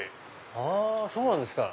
あそうなんですか。